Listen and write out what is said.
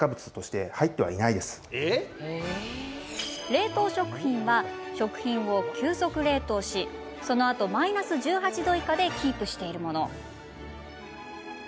冷凍食品は、食品を急速冷凍しそのあとマイナス１８度以下でキープしているもの。